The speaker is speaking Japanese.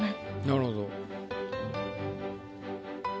なるほど。